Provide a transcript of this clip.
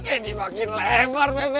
ini makin lebar beb